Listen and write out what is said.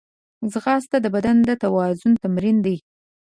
ځغاسته د بدن د توازن تمرین دی